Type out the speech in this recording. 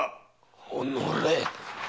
おのれ！